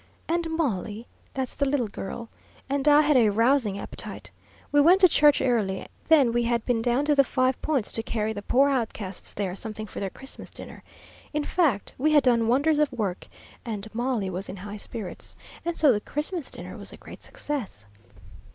And Molly that's the little girl and I had a rousing appetite. We went to church early; then we had been down to the Five Points to carry the poor outcasts there something for their Christmas dinner; in fact, we had done wonders of work, and Molly was in high spirits, and so the Christmas dinner was a great success.